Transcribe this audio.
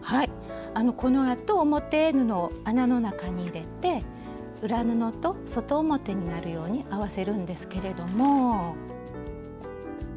このあと表布を穴の中に入れて裏布と外表になるように合わせるんですけれども。